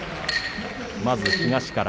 まず東から。